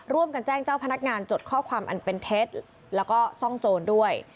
ร่วมกันแจ้งเจ้าพนักงานจดข้อความอันเป็นเท็จแล้วก็ซ่องโจรด้วย